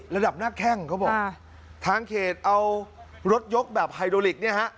ระดับหน้าแข้งเขาบอกทางเขตเอารถยกแบบไฮโดลิกเนี่ยฮะ